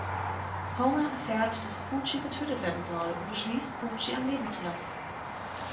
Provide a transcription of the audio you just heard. Homer erfährt, dass Poochie getötet werden soll, und beschließt, Poochie am Leben zu lassen.